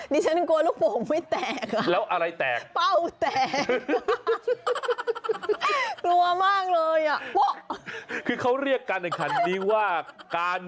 นี่ฉันกลัวลูกโป่งไม่แตก